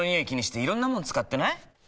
気にしていろんなもの使ってない？